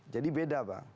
jadi beda bang